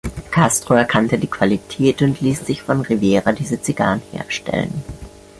Castro erkannte die Qualität und ließ sich von Rivera diese Zigarren herstellen.